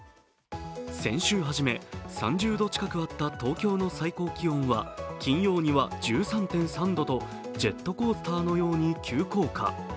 先週初め、３０度近くあった東京の最高気温は金曜には１３．３度とジェットコースターのように急降下。